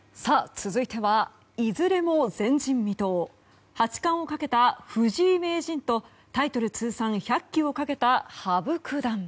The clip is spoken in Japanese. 続いてはいずれも前人未到八冠をかけた藤井名人とタイトル通算１００期をかけた羽生九段。